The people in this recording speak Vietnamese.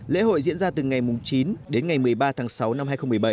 lễ hội diễn ra từ ngày chín đến ngày một mươi ba tháng sáu năm hai nghìn một mươi bảy